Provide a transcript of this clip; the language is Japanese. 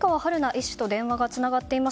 医師と電話がつながっています。